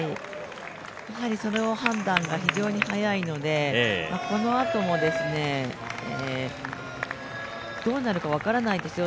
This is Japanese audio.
やはりその判断が非常に早いので、このあともどうなるか分からないですよ。